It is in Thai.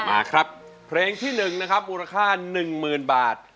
มาครับเพลงที่๑นะครับมูลค่า๑๐๐๐บาท